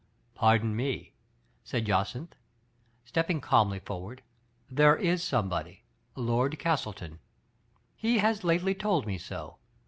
"Pardon me,*' said Jacynth, stepping calmly forward. "There is somebody — Lord Castleton. He has lately told me so.